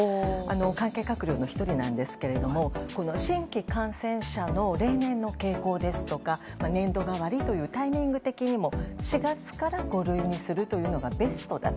関係閣僚の１人ですが新規感染者の例年の傾向ですとか年度替わりというタイミング的にも４月から五類にするのがベストだと。